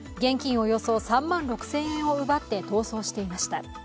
およそ３万６０００円を奪って逃走していました。